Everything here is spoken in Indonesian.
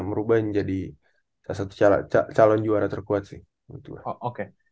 merubahnya jadi salah satu calon juara terkuat sih